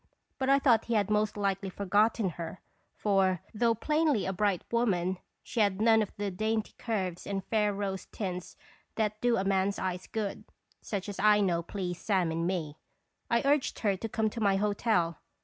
But I thought he had most likely forgotten her ; for, though plainly a bright woman, she had none of the dainty curves and fair rose tints that do a man's eyes good such as I know please Sam in me. I urged her to come to my hotel.